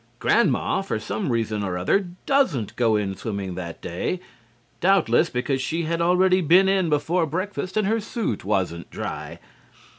Grandma, for some reason or other, doesn't go in swimming that day, doubtless because she had already been in before breakfast and her suit wasn't dry.